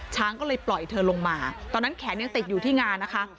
ช้างก็เลยปล่อยเธอลงมาตอนนั้นแขนยังติดอยู่ที่งานะคะ